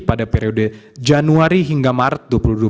pada periode januari hingga maret dua ribu dua puluh